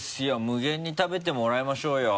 無限に食べてもらいましょうよ。